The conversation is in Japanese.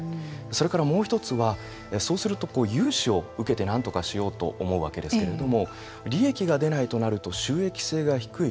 それからもう一つはそうすると、融資を受けてなんとかしようと思うわけですけれども利益が出ないとなると収益性が低い。